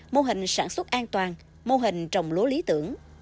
mô hình sản xuất an toàn mô hình trồng lúa lý tưởng